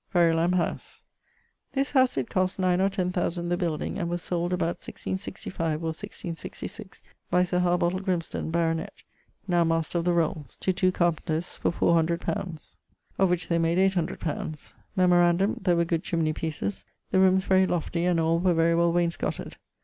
VERULAM HOWSE. This howse did cost nine or ten thousand the building, and was sold about 1665 or 1666 by Sir Harbottle Grimston, baronet, (now Master of the Rolles) to two carpenters for fower hundred poundes; of which they made eight hundred poundes. Memorandum: there were good chimney pieces; the roomes very loftie, and all were very well wainscotted.